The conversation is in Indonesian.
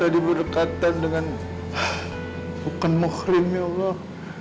amba tadi berdekatan dengan bukan muhrim ya allah